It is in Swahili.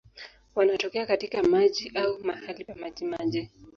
Wanatokea katika maji au mahali pa majimaji.